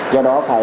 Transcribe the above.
do đó phải